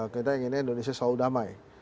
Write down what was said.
kita inginnya indonesia selalu damai